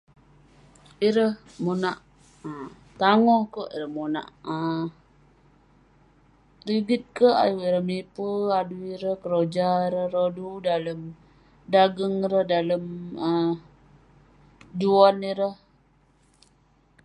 Ireh monak tangoh kerk, ireh monak[um] rigit kerk, ayuk ireh mipe adui ireh keroja ireh rodu dalem dageng ireh ,dalem[um] juan ireh.